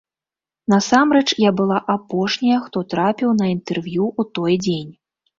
Насамрэч, я была апошняя, хто трапіў на інтэрв'ю ў той дзень.